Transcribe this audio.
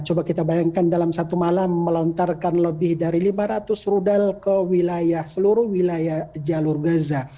coba kita bayangkan dalam satu malam melontarkan lebih dari lima ratus rudal ke wilayah seluruh wilayah jalur gaza